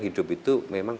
hidup itu memang